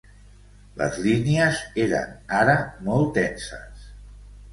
Les línies eren ara molt tenses.